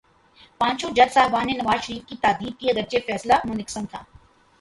پانچوں جج صاحبان نے نواز شریف کی تادیب کی، اگرچہ فیصلہ منقسم تھا۔